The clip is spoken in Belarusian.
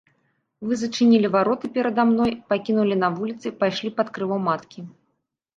Вы зачынілі вароты перада мною, пакінулі на вуліцы, пайшлі пад крыло маткі.